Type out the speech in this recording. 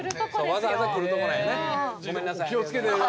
わざわざ来るとこですよ。